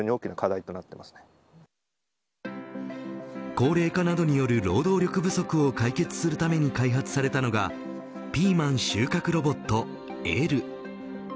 高齢化などによる労働力不足を解決するために開発されたのがピーマン収穫ロボット、Ｌ。